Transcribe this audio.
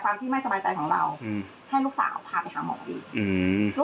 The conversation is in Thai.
โดยที่อยกคือว่ามันไม่เป็นผิด